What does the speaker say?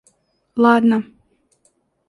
Ладно!